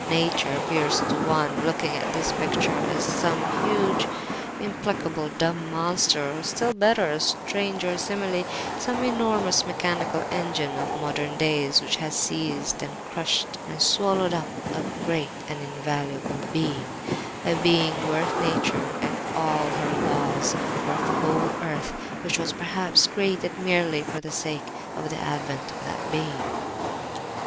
Nature appears to one, looking at this picture, as some huge, implacable, dumb monster; or still better—a stranger simile—some enormous mechanical engine of modern days which has seized and crushed and swallowed up a great and invaluable Being, a Being worth nature and all her laws, worth the whole earth, which was perhaps created merely for the sake of the advent of that Being.